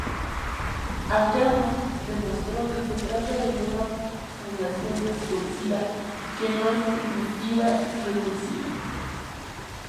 Ackermann demostró que se trata de una función recursiva que no es primitiva recursiva.